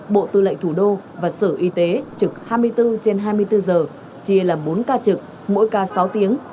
bộ tư lệnh thủ đô và sở y tế trực hai mươi bốn trên hai mươi bốn giờ chia làm bốn ca trực mỗi ca sáu tiếng